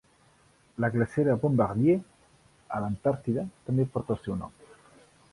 La glacera Bombardier a l'Antàrtida també porta el seu nom.